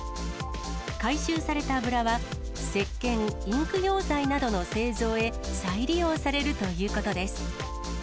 回収された油は、せっけん、インク溶剤などの製造へ、再利用されるということです。